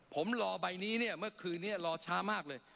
ผมรอใบนี้เนี่ยเมื่อคืนนี้รอช้ามากเลย